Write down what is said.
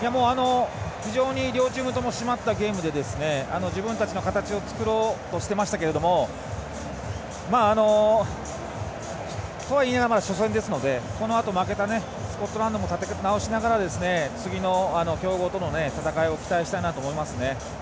非常に両チームとも締まったゲームで自分たちの形を作ろうとしてましたけれども。とは言いながら、初戦ですのでこのあと負けたスコットランドも立て直しながら次の強豪との戦いを期待したいなと思いますね。